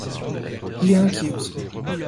Il est inquiet aussi.